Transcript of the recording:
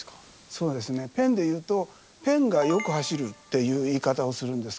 そうですねペンで言うとペンがよく走るっていう言い方をするんですけど。